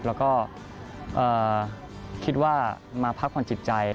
แล้วก็คิดว่ามาพักผ่อนจิตใจ